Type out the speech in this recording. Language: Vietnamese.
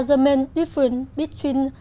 có rất nhiều học sinh